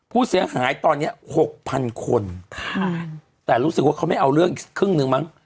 ผู้เสียหายตอนเนี้ยหกพันคนค่ะแต่รู้สึกว่าเขาไม่เอาเรื่องอีกครึ่งหนึ่งมั้ง